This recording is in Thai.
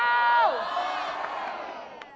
๒๙บาท